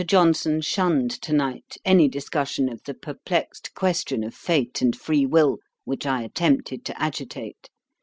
Johnson shunned to night any discussion of the perplexed question of fate and free will, which I attempted to agitate.